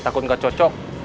takut gak cocok